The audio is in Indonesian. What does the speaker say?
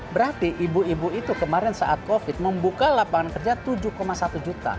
berarti ibu ibu itu kemarin saat covid membuka lapangan kerja tujuh satu juta